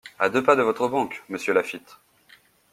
A deux pas de votre banque, Monsieur Laffitte.